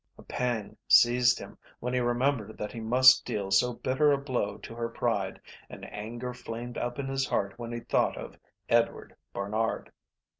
A pang seized him when he remembered that he must deal so bitter a blow to her pride, and anger flamed up in his heart when he thought of Edward Barnard.